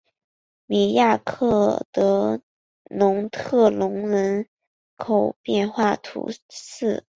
米亚克德农特龙人口变化图示